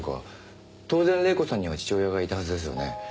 当然黎子さんには父親がいたはずですよね。